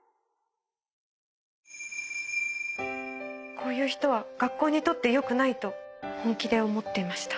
こういう人は学校にとって良くないと本気で思ってました。